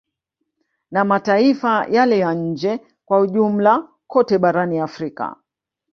Na mataifa yale ya nje kwa ujumla kote barani Afrika